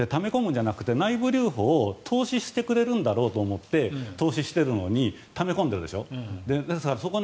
内部留保ってため込むんじゃなくて内部留保を投資してくれるんだろうと思って投資しているんだけどため込んでいるでしょ。